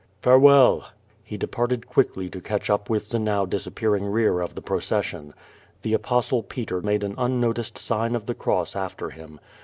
"Farewell." He departed quickly to catch up with the now disappear ing rear of the jirocession. The Apostle Paul made an un noticed sign of the cross after him.